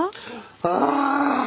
ああ！